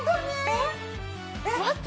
えっ待って。